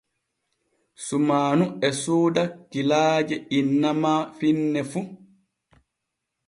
Sumaanu e sooda kilaaje inna ma finne fu.